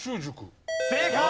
正解！